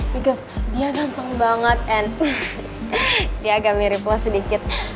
pikus dia ganteng banget and dia agak mirip lah sedikit